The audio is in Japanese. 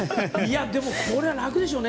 でも、これは楽ですよね。